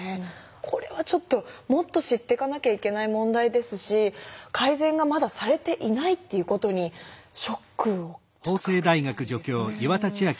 これはちょっともっと知っていかなきゃいけない問題ですし改善がまだされていないっていうことにショックをちょっと隠せないですね。